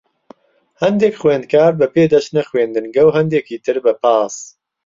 هەندێک خوێندکار بە پێ دەچنە خوێندنگە، و هەندێکی تر بە پاس.